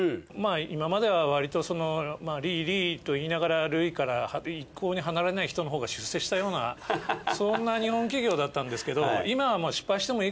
今まではわりと「リーリー」と言いながら塁から一向に離れない人のほうが出世したようなそんな日本企業だったんですけど。